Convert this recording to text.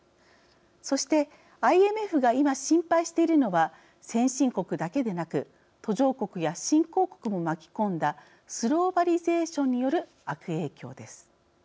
そしてＩＭＦが今、心配しているのは先進国だけでなく途上国や新興国も巻き込んだスローバリゼーションによる悪影響です。